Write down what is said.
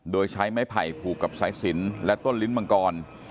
โดยใช้ไม้ไผ่ผูกกับสายสินและต้นลิ้นมังกร